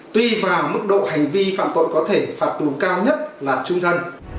tuy vào mức độ hành vi phạm tội có thể phạt tù cao nhất là trung thân